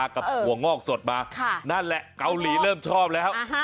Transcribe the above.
กันนั้นแหละเกาหลีเริ่มชอบแล้ว